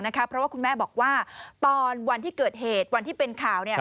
เพราะว่าคุณแม่บอกว่าตอนวันที่เกิดเหตุวันที่เป็นข่าว